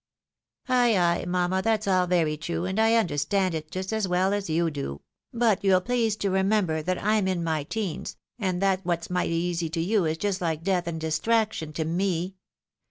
209 " Ay, ay, mamma, that's all very true, and I understand it just as ■well as you do ; "but you'll please to remember that I'm in my teens, and that vhat's mighty easy to you, is just like death and distraction to me.